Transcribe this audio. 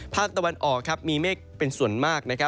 ภาคตะวันออกมีเมฆเป็นส่วนมาก